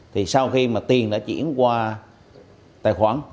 thì sau khi mà tiền đã chuyển qua tài khoản